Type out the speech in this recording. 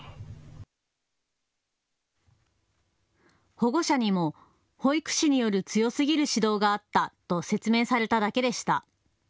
保護者にも保育士による強すぎる指導があったと説明されただけでした。